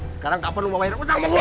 sekarang kapan lu mau bayar utang sama gua